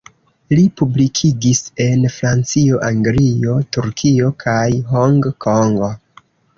Li publikigis en Francio, Anglio, Turkio kaj Hong Kong.